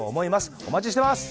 お待ちしてます！